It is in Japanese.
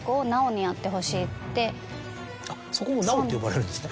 そこも直って呼ばれるんですね。